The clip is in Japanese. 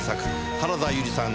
原田悠里さん